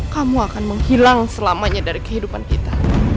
kamu akan menghilang selamanya dari kehidupan kita